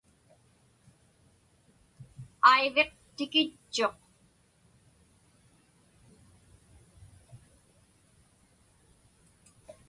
Aiviq tikitchuq.